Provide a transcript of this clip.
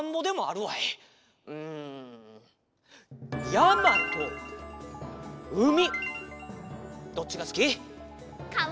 やまとうみどっちがすき？かわ！